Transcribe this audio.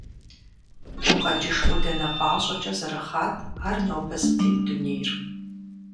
Гукъэкӏыж ӏуданэ пӏащӏэкӏэ зэрыхъат ар нобэ зытет дунейр.